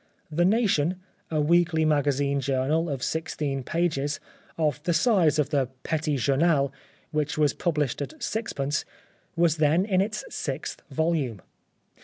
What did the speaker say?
The Nation, a weekly magazine journal of sixteen pages, of the size of the Petit Journal, which was published at sixpence, was then in its sixth volume.